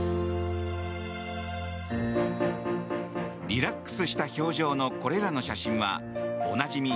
リラックスした表情のこれらの写真はおなじみ